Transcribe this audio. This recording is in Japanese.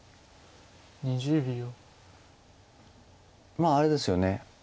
まああれですよね。